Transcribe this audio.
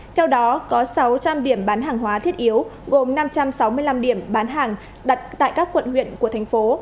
theo đó có sáu trăm linh điểm bán hàng hóa thiết yếu gồm năm trăm sáu mươi năm điểm bán hàng đặt tại các quận huyện của thành phố